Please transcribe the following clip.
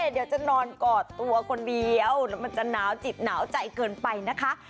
เดี๋ยวจะนอนกอดตัวคนเดียวแล้วมันจะหนาวจิตหนาวใจเกินไปนะคะ